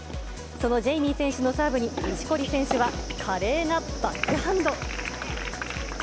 そのジェイミー選手のサーブに、錦織選手は華麗なバックハンド。